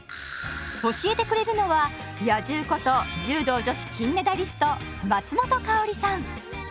教えてくれるのは「野獣」こと柔道女子金メダリスト松本薫さん。